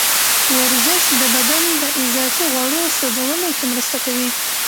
ورزش د بدن د اضافي غوړو سوځولو کې مرسته کوي.